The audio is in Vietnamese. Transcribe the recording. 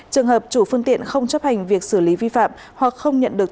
trường hợp chủ phương tiện không chấp hành việc xử lý vi phạm hoặc không nhận được